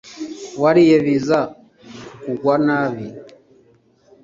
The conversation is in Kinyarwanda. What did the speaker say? wariye biza kukugwa nabi